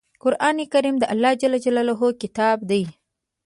قرآن کریم د الله ﷺ کتاب دی.